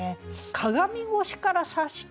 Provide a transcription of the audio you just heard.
「鏡越しから察した」